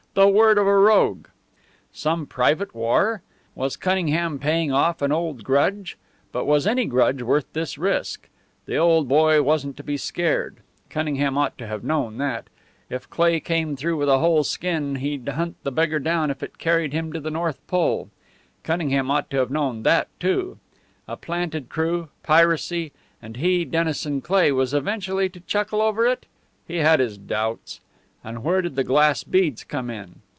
The word of a rogue! Some private war? Was Cunningham paying off an old grudge? But was any grudge worth this risk? The old boy wasn't to be scared; Cunningham ought to have known that. If Cleigh came through with a whole skin he'd hunt the beggar down if it carried him to the North Pole. Cunningham ought to have known that, too. A planted crew, piracy and he, Dennison Cleigh, was eventually to chuckle over it! He had his doubts. And where did the glass beads come in?